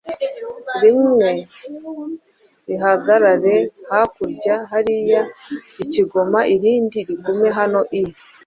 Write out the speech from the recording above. rimwe rihagarare hakurya hariya i Kigoma, irindi rigume hano i